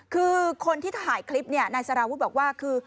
คือคนที่ถ่ายคลิปเนี่ยนายสารวุฒิบอกว่าคือ